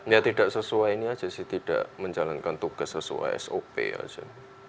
ya tidak sesuai ini aja sih tidak menjalankan tugas sesuai sop aja